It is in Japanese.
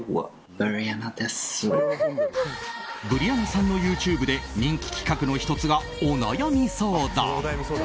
ブリアナさんのＹｏｕＴｕｂｅで人気企画の１つがお悩み相談。